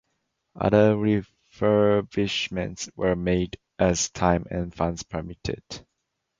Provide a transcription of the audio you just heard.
Other refurbishments were made as time and funds permitted.